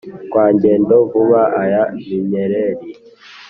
kwa ngendo-vuba ya minyereri,